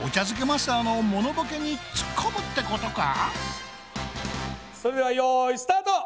マスターのモノボケにつっこむってことか？